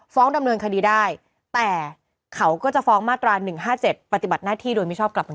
ดำเนินคดีได้แต่เขาก็จะฟ้องมาตรา๑๕๗ปฏิบัติหน้าที่โดยมิชอบกลับมา